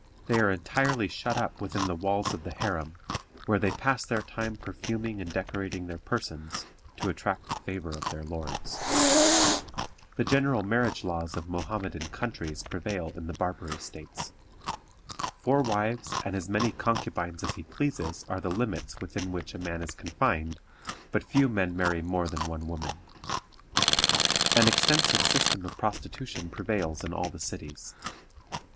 They are entirely shut up within the walls of the harem, where they pass their time perfuming and decorating their persons, to attract the favor of their lords. The general marriage laws of Mohammedan countries prevail in the Barbary States. Four wives and as many concubines as he pleases are the limits within which a man is confined, but few men marry more than one woman. An extensive system of prostitution prevails in all the cities.